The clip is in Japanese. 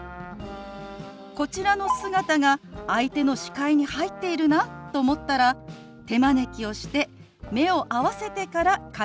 こちらの姿が相手の視界に入っているなと思ったら手招きをして目を合わせてから会話を始めるんです。